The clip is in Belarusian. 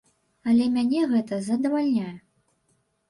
Але мяне гэта задавальняе.